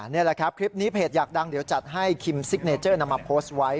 นี่แหละครับคลิปนี้เพจอยากดังเดี๋ยวจัดให้คิมซิกเนเจอร์นำมาโพสต์ไว้